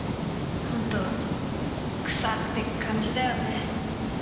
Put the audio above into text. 本当草って感じだよね。